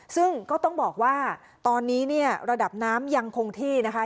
ซึ่งก็ต้องบอกว่าตอนนี้เนี่ยระดับน้ำยังคงที่นะคะ